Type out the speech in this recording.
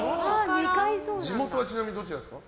地元はちなみにどちらですか？